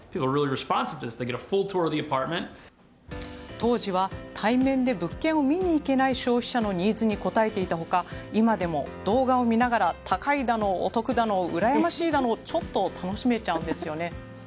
当時は、対面で物件を見に行けない消費者のニーズに応えていた他今でも、動画を見ながら高いだの、お得だのうらやましいだのちょっと楽しめちゃうんですね。